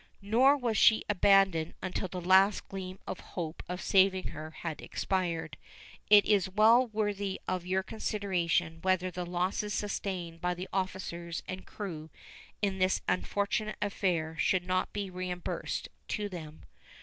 Nor was she abandoned until the last gleam of hope of saving her had expired. It is well worthy of your consideration whether the losses sustained by the officers and crew in this unfortunate affair should not be reimbursed to them.